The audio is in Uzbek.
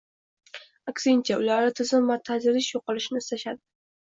aksincha – ularda tizim va tadrij yo‘qolishini istashadi